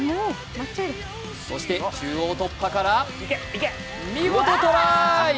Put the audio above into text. そして、中央突破から見事トライ！